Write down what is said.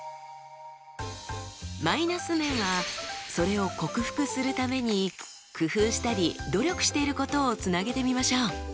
マイナス面はそれを克服するために工夫したり努力していることをつなげてみましょう。